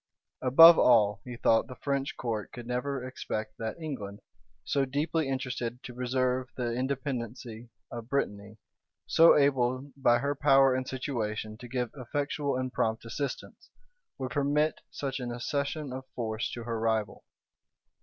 Above all, he thought the French court could never expect that England, so deeply interested to preserve the independency of Brittany, so able by her power and situation to give effectual and prompt assistance, would permit such an accession of force to her rival.